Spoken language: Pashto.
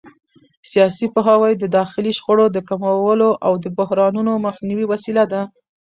سیاسي پوهاوی د داخلي شخړو د کمولو او بحرانونو مخنیوي وسیله ده